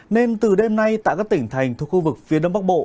nên từ đêm nay tại các tỉnh thành thuộc khu vực phía đông bắc bộ